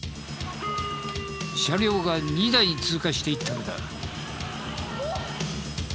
車両が２台通過していったのだ。